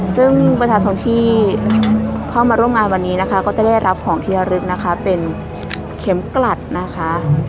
ซึ่งประชาชนที่เข้ามาร่วมงานวันนี้นะคะก็จะได้รับของที่ระลึกนะคะเป็นเข็มกลัดนะคะ